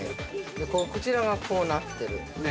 こちらがこうなってる。